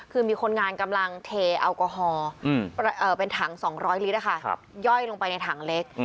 คือมีคนงานกำลังเทแอลกอฮอล์เป็นถัง๒๐๐ลิตรย่อยลงไปในถังเล็ก